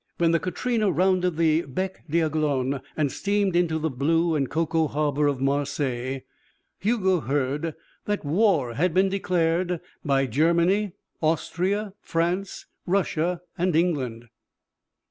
When the Katrina rounded the Bec d'Aiglon and steamed into the blue and cocoa harbour of Marseilles, Hugo heard that war had been declared by Germany, Austria, France, Russia, England....